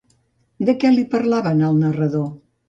De què li parlaven al narrador?